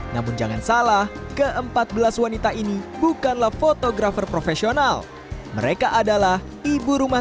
namun jangan salah ke empat belas wanita ini bukanlah fotografer profesional mereka adalah ibu rumah